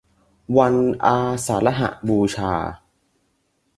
วันอาสาฬหบูชา